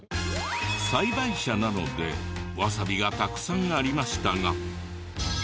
栽培者なのでわさびがたくさんありましたが。